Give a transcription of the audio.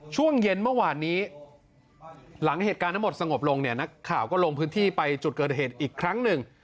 ช่วงเย็นเมื่อวานนี้หลังเหตุการณ์ทั้งหมดสงบลงเนี่ยนักข่าวก็ลงพื้นที่ไปจุดเกิดเหตุอีกครั้งหนึ่ง